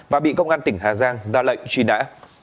và bị công an tỉnh hà giang ra lệnh truy nã